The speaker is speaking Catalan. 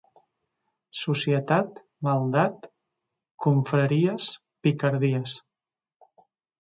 Societat, maldat; confraries, picardies.